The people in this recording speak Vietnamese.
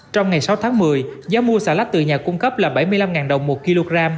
trong ngày sáu tháng một mươi giá mua xà lách từ nhà cung cấp là bảy mươi năm đồng một kg